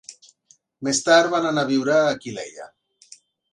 Més tard van anar a viure a Aquileia.